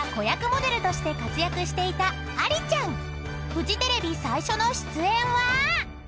［フジテレビ最初の出演は］